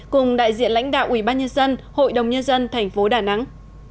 cùng đại diện lãnh đạo ủy ban nhân dân hội đồng nhân dân thành phố đà nẵng